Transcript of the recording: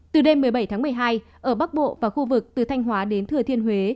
từ đêm một mươi bảy tháng một mươi hai ở bắc bộ và khu vực từ thanh hóa đến thừa thiên huế